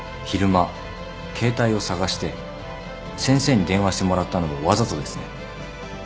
昼間携帯を捜して先生に電話してもらったのもわざとですね？